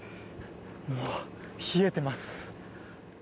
もう冷えています。